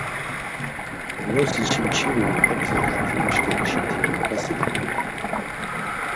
Vrosi çimçiri var bzirati mşǩerişiti maǩasi vikumt̆it.